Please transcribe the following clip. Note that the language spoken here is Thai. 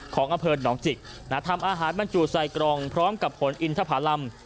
ของอเผิดหนองจิกณทำอาหารมันจูดใส่กรองพร้อมกับผลอินทภารมน์